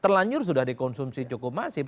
terlanjur sudah dikonsumsi cukup masif